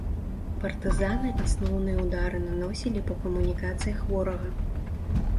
Партызаны асноўныя ўдары наносілі па камунікацыях ворага.